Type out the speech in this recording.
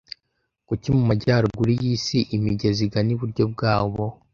Kuki mu majyaruguru yisi, imigezi igana iburyo bwabo